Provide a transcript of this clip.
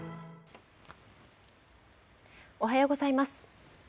おはようございます。